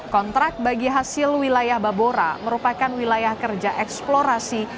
kontrak bagi hasil wilayah babora merupakan wilayah kerja eksplorasi